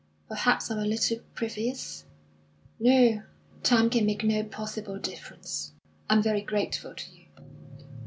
"Perhaps I'm a little previous?" "No; time can make no possible difference. I'm very grateful to you."